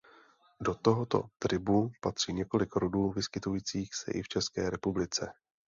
Do tohoto tribu patří několik rodů vyskytujících se i v České republice.